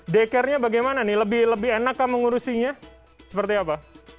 dekernya bagaimana nih lebih enakkah mengurusinya seperti apa